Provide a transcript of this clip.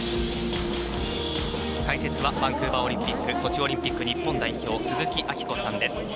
解説はバンクーバーオリンピックソチオリンピック日本代表鈴木明子さんです。